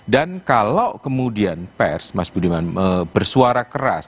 dan kalau kemudian pers mas budiman bersuara keras